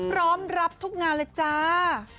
รับทุกงานเลยจ้า